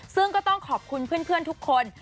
ซึ่งก็ต้องขอบคุณเพื่อนทุกคน